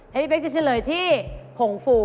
ให้พี่เบคจะเฉลยที่โผงฟู